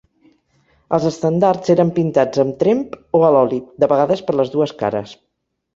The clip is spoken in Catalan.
Els estendards eren pintats amb tremp o a l'oli, de vegades per les dues cares.